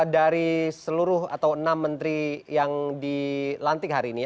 dari seluruh atau enam menteri yang dilantik hari ini